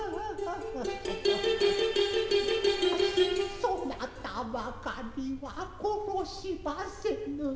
そなたばかりは殺しはせぬ。